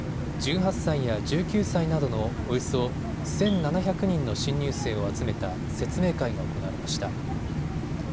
１８歳や１９歳などのおよそ１７００人の新入生を集めた説明会が行われました。